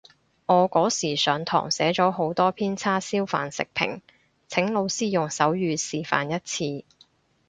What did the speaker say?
我嗰時上堂寫咗好多篇叉燒飯食評，請老師用手語示範一次